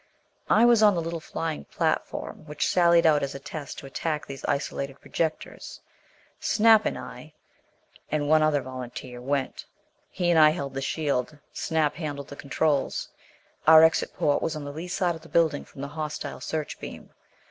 I was on the little flying platform which sallied out as a test to attack these isolated projectors. Snap and I, and one other volunteer, went. He and I held the shield; Snap handled the controls. Our exit port was on the lee side of the building from the hostile searchbeam.